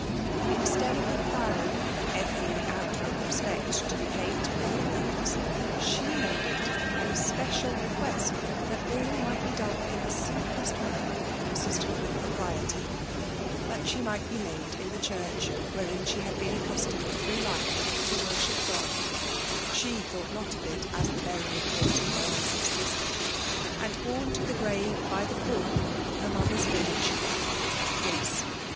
Instead of requiring ''eveary outward respect to be paid to her remains," she made it an especial request that all might be done in the simplest manner consistent with propriety ; that she might be laid in the church wherein she had been accustomed through life to worship God, — (^sAe thought not of it, as of the burying place of her ancestors) and borne to the grave by the poor of her mother's village. — Yes!